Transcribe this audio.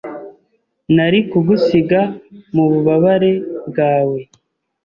Nari kugusiga mububabare bwawe,